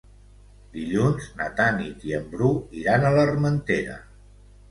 Dilluns na Tanit i en Bru iran a l'Armentera.